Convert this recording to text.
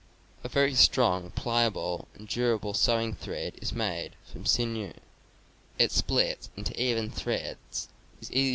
A very strong, pliable and durable sewing thread is made from sinew. It splits into even threads, is easy J